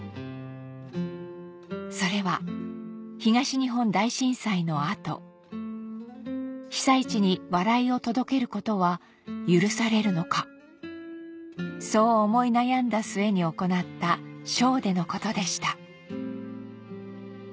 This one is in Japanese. それは東日本大震災の後被災地に笑いを届けることは許されるのかそう思い悩んだ末に行ったショーでのことでした